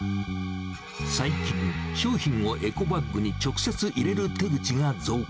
最近、商品をエコバッグに直接入れる手口が増加。